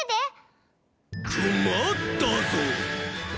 クマッたぞ！